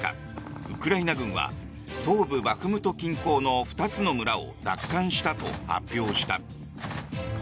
ウクライナ軍は東部バフムト近郊の２つの村を奪還したと発表した。